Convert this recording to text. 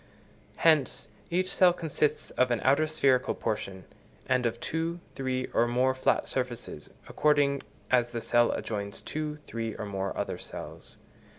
Hence, each cell consists of an outer spherical portion, and of two, three, or more flat surfaces, according as the cell adjoins two, three or more other cells.